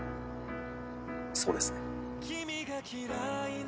そうですね。